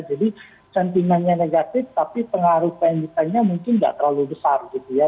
jadi sentimennya negatif tapi pengaruh pengendutannya mungkin tidak terlalu besar gitu ya